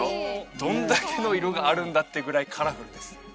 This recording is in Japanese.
どんだけの色があるんだってぐらいカラフルです